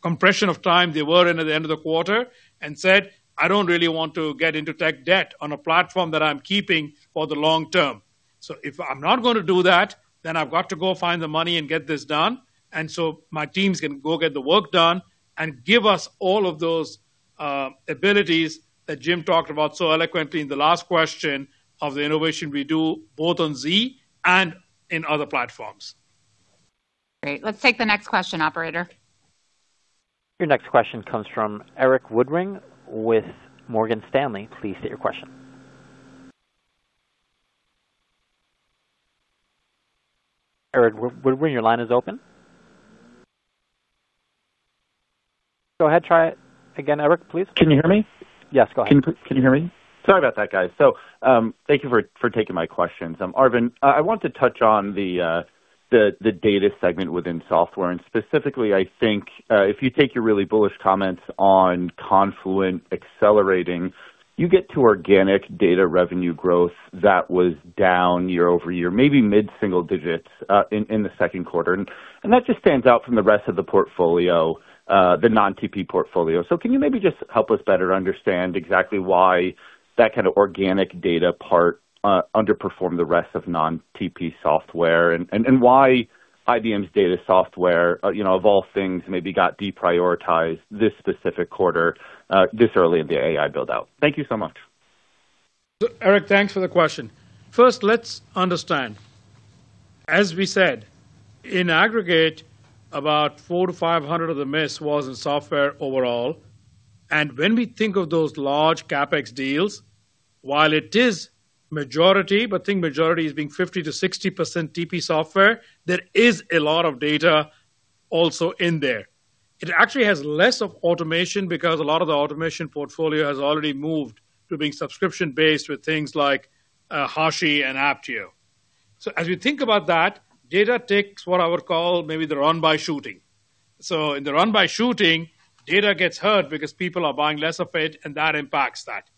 compression of time they were in at the end of the quarter and said, "I don't really want to get into tech debt on a platform that I'm keeping for the long term. If I'm not going to do that, I've got to go find the money and get this done, my teams can go get the work done and give us all of those abilities that Jim talked about so eloquently in the last question of the innovation we do, both on Z and in other platforms. Great. Let's take the next question, operator. Your next question comes from Erik Woodring with Morgan Stanley. Please state your question. Erik Woodring, your line is open. Go ahead, try it again, Erik, please. Can you hear me? Yes, go ahead. Can you hear me? Sorry about that, guys. Thank you for taking my questions. Arvind, I want to touch on the data segment within software, and specifically, I think, if you take your really bullish comments on Confluent accelerating, you get to organic data revenue growth that was down year-over-year, maybe mid-single digits, in the second quarter. That just stands out from the rest of the portfolio, the non-TP portfolio. Can you maybe just help us better understand exactly why that kind of organic data part, underperformed the rest of non-TP software, and why IBM's data software, of all things, maybe got deprioritized this specific quarter, this early in the AI build-out? Thank you so much. Erik, thanks for the question. First, let's understand. As we said, in aggregate, about 400 to 500 of the miss was in software overall. When we think of those large CapEx deals, while it is majority, but think majority as being 50%-60% TP software, there is a lot of data also in there. It actually has less of automation because a lot of the automation portfolio has already moved to being subscription-based with things like Hashi and Apptio. As you think about that, data takes what I would call maybe the run by shooting. In the run by shooting, data gets hurt because people are buying less of it, and that impacts that.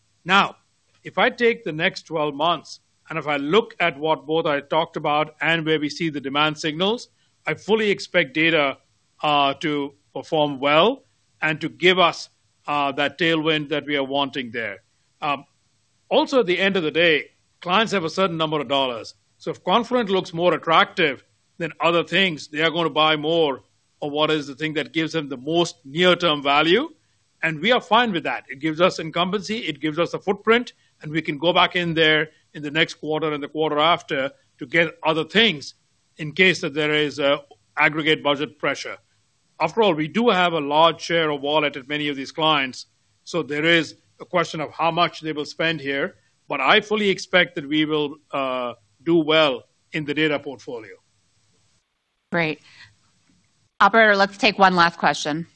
If I take the next 12 months, if I look at what both I talked about and where we see the demand signals, I fully expect data to perform well and to give us that tailwind that we are wanting there. At the end of the day, clients have a certain number of dollars. If Confluent looks more attractive than other things, they are going to buy more of what is the thing that gives them the most near-term value, we are fine with that. It gives us incumbency, it gives us a footprint, we can go back in there in the next quarter and the quarter after to get other things in case that there is aggregate budget pressure. After all, we do have a large share of wallet at many of these clients, there is a question of how much they will spend here. I fully expect that we will do well in the data portfolio. Great. Operator, let's take one last question.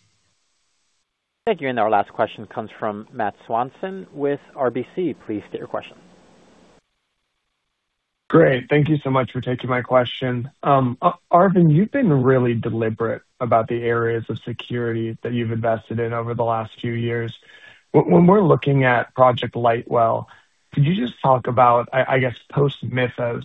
Thank you. Our last question comes from Matt Swanson with RBC. Please state your question. Great. Thank you so much for taking my question. Arvind, you've been really deliberate about the areas of security that you've invested in over the last few years. When we're looking at Project Lightwell, could you just talk about, I guess, post-Mythos,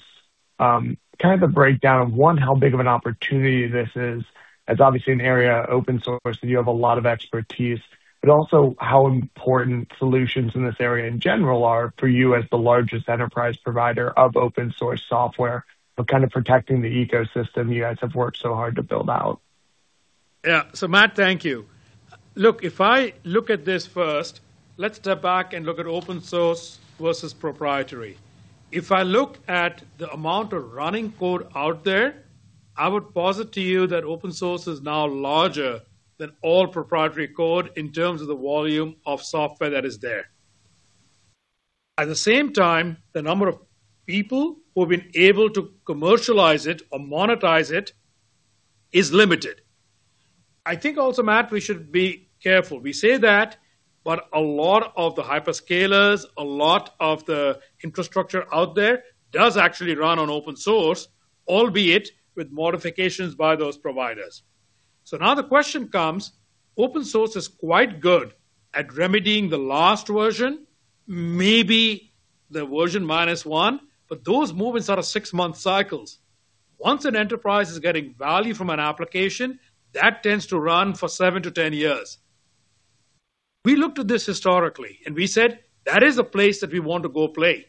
kind of the breakdown of, one, how big of an opportunity this is? It's obviously an area, open source, that you have a lot of expertise. Also how important solutions in this area in general are for you as the largest enterprise provider of open-source software for kind of protecting the ecosystem you guys have worked so hard to build out. Matt, thank you. Look, if I look at this first, let's step back and look at open source versus proprietary. If I look at the amount of running code out there, I would posit to you that open source is now larger than all proprietary code in terms of the volume of software that is there. At the same time, the number of people who've been able to commercialize it or monetize it is limited. I think also, Matt, we should be careful. We say that, but a lot of the hyperscalers, a lot of the infrastructure out there does actually run on open source, albeit with modifications by those providers. Now the question comes, open source is quite good at remedying the last version, maybe the version minus one, but those movements are six-month cycles. Once an enterprise is getting value from an application, that tends to run for seven to 10 years. We looked at this historically, and we said, "That is a place that we want to go play."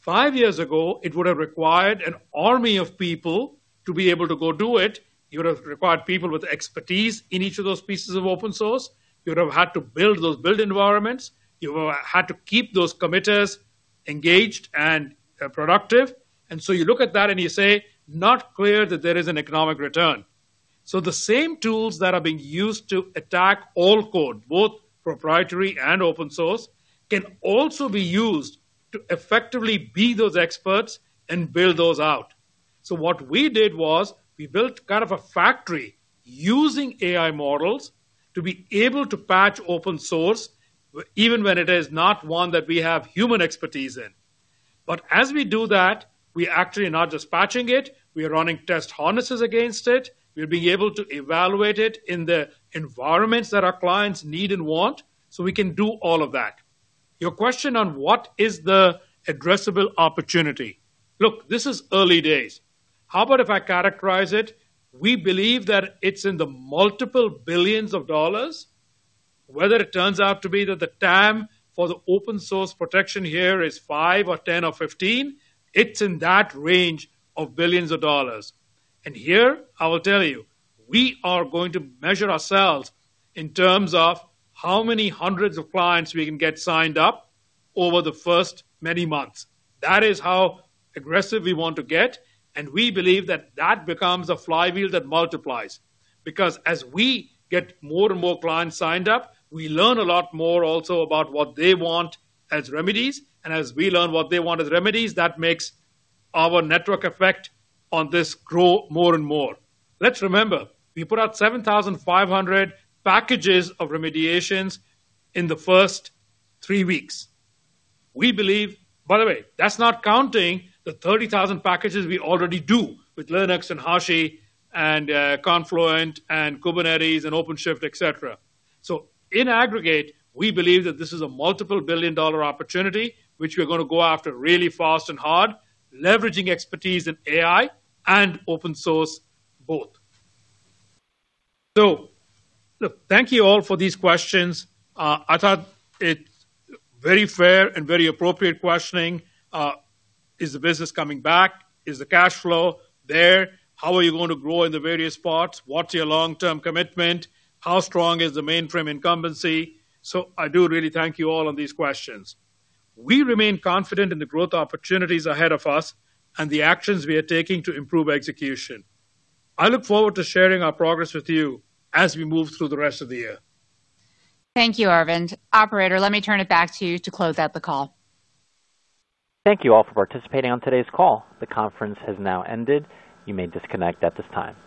Five years ago, it would've required an army of people to be able to go do it. You would've required people with expertise in each of those pieces of open source. You would've had to build those build environments. You would've had to keep those committers engaged and productive. So you look at that and you say, "Not clear that there is an economic return." The same tools that are being used to attack all code, both proprietary and open source, can also be used to effectively be those experts and build those out. What we did was we built kind of a factory using AI models to be able to patch open source, even when it is not one that we have human expertise in. As we do that, we actually are not just patching it, we are running test harnesses against it. We're being able to evaluate it in the environments that our clients need and want, so we can do all of that. Your question on what is the addressable opportunity. Look, this is early days. How about if I characterize it, we believe that it's in the multiple billions of dollars. Whether it turns out to be that the TAM for the open source protection here is $5 billion or $10 billion or $15 billion, it's in that range of billions of dollars. Here I will tell you, we are going to measure ourselves in terms of how many hundreds of clients we can get signed up over the first many months. That is how aggressive we want to get, and we believe that that becomes a flywheel that multiplies. As we get more and more clients signed up, we learn a lot more also about what they want as remedies. As we learn what they want as remedies, that makes our network effect on this grow more and more. Let's remember, we put out 7,500 packages of remediations in the first three weeks. We believe. By the way, that's not counting the 30,000 packages we already do with Linux and Hashi and Confluent and Kubernetes and OpenShift, et cetera. In aggregate, we believe that this is a multiple billion-dollar opportunity, which we're going to go after really fast and hard, leveraging expertise in AI and open source both. Look, thank you all for these questions. I thought it very fair and very appropriate questioning. Is the business coming back? Is the cash flow there? How are you going to grow in the various parts? What's your long-term commitment? How strong is the mainframe incumbency? I do really thank you all on these questions. We remain confident in the growth opportunities ahead of us and the actions we are taking to improve execution. I look forward to sharing our progress with you as we move through the rest of the year. Thank you, Arvind. Operator, let me turn it back to you to close out the call. Thank you all for participating on today's call. The conference has now ended. You may disconnect at this time.